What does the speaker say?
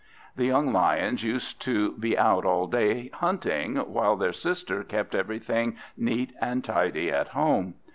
The young Lions used to be out all day, hunting, while their sister kept everything neat and tidy at home.